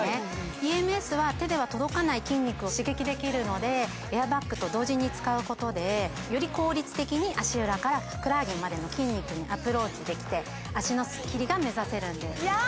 ＥＭＳは手では届かない筋肉を刺激できるのでエアバッグと同時に使うことでより効率的に足裏からふくらはぎまでの筋肉にアプローチできて足のスッキリが目指せるんですいや